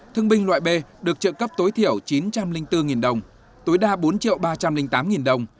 thương binh loại b được trợ cấp tối thiểu chín trăm linh bốn đồng tối đa bốn ba trăm linh tám đồng